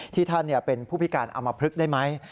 ท่านเป็นผู้พิการอมพลึกได้ไหม